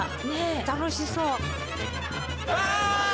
楽しそう。